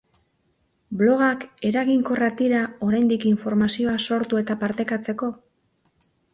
Blogak eraginkorrak dira oraindik informazioa sortu eta partekatzeko?